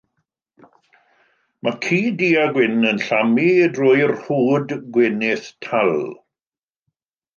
Mae ci du a gwyn yn llamu drwy'r rhwd gwenith tal.